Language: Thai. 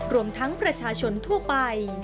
รวมทั้งประชาชนทั่วไป